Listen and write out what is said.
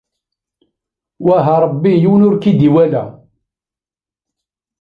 Wah a Ṛebbi yiwen ur k-id-iwala.